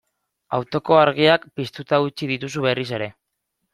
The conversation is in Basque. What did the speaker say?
Autoko argiak piztuta utzi dituzu berriz ere.